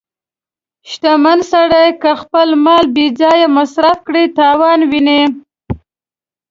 • شتمن سړی که خپل مال بې ځایه مصرف کړي، تاوان ویني.